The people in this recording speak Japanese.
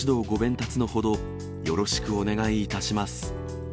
たつのほど、よろしくお願いいたします。